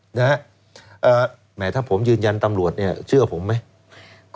หมายถ้าผมยืนยันตำรวจเชื่อผมไหม